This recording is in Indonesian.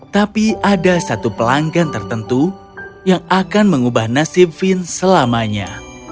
tapi ada satu pelanggan tertentu yang akan mengubah nasib fin selamanya